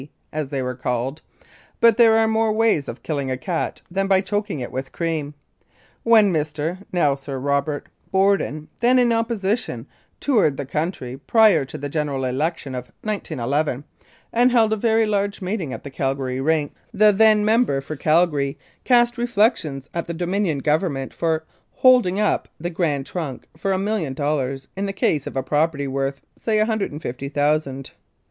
as they are called, but there are more ways of killing a cat than by choking it with cream. When Mr. (now Sir Robert) Borden, then in opposition, toured the country prior to the General Election of 1911, and held a very large meeting at the Calgary rink, the 127 Mounted Police Life in Canada then member for Calgary cast reflections at the Dominion Government for "holding up" the Grand Trunk for a million dollars in the case of a property worth "say a hundred and fifty thousand."